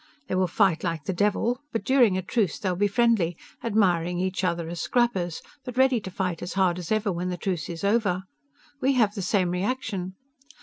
They will fight like the devil, but during a truce they'll be friendly, admiring each other as scrappers, but ready to fight as hard as ever when the truce is over. We have the same reaction!